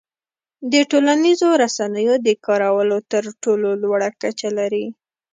د ټولنیزو رسنیو د کارولو تر ټولو لوړه کچه لري.